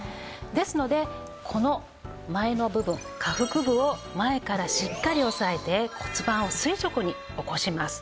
ですのでこの前の部分下腹部を前からしっかり押さえて骨盤を垂直に起こします。